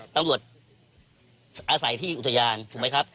ตำรวจอาศัยที่อุทยานถูกไหมครับ